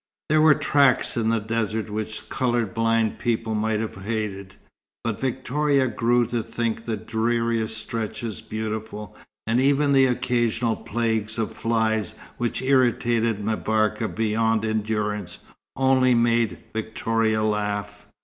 There were tracts in the desert which colour blind people might have hated; but Victoria grew to think the dreariest stretches beautiful; and even the occasional plagues of flies which irritated M'Barka beyond endurance, only made Victoria laugh.